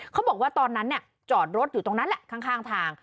เขาบอกว่าตอนนั้นจอดรถอยู่ตรงนั้นแหละข้างทาง